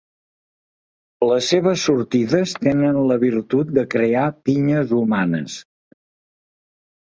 Les seves sortides tenen la virtut de crear pinyes humanes.